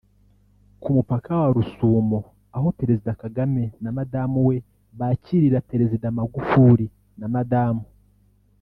Ku mupaka wa Rusumo aho Perezida Kagame na Madamu we bakirira Perezida Magufuli na Madamu